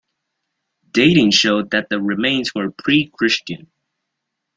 Dating showed that the remains were Pre-Christian.